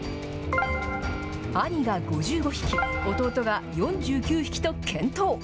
兄が５５匹、弟が４９匹と健闘。